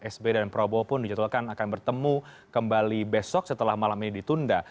sby dan prabowo pun dijadwalkan akan bertemu kembali besok setelah malam ini ditunda